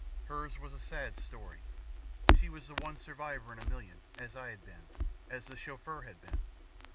Hers was a sad story. She was the one survivor in a million, as I had been, as the Chauffeur had been.